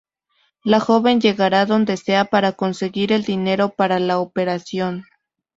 La joven llegará donde sea para conseguir el dinero para la operación.